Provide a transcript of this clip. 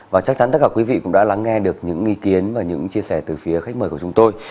và chắc chắn tất cả quý vị cũng đã lắng nghe được những ý kiến và những chia sẻ từ phía khách mời của chúng tôi